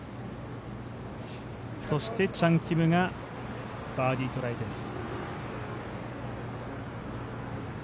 そしてチャン・キムがバーディートライです。